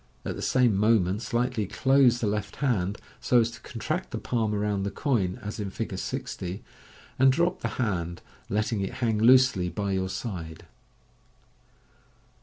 At the same moment slightly close the left hand, so as to contract, the palm around the coin, as in Fig. 60, and drop the hand, letting it harg loosely by your side.